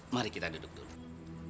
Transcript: mari kita duduk dulu